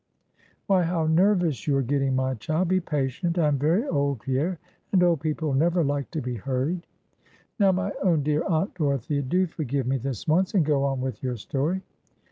"Why, how nervous you are getting, my child; Be patient; I am very old, Pierre; and old people never like to be hurried." "Now, my own dear Aunt Dorothea, do forgive me this once, and go on with your story."